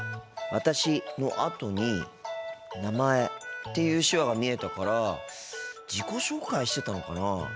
「私」のあとに「名前」っていう手話が見えたから自己紹介してたのかなあ。